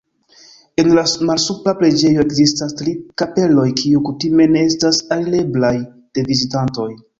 En la malsupra preĝejo ekzistas tri kapeloj, kiuj kutime ne estas alireblaj de vizitantoj.